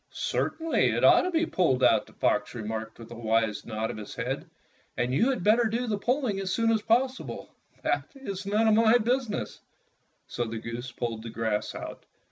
"Certainly, it ought to be pulled out," the fox remarked with a wise nod of his head, "and you had better do the pulling as soon as possible. That is not my business." So the goose pulled the grass out.